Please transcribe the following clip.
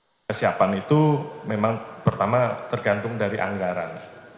kepada penyelidikan kesiapan itu memang pertama tergantung dari anggaran